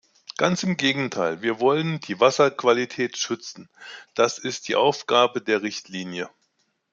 Ganz im Gegenteil, wir wollen die Wasserqualität schützen, das ist die Aufgabe der Richtlinie.